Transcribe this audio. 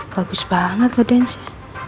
bagus banget ke dance